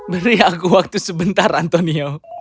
beri aku waktu sebentar antonio